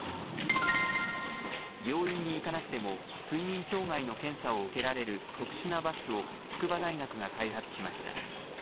病院に行かなくても、睡眠障害の検査を受けられる特殊なバスを、筑波大学が開発しました。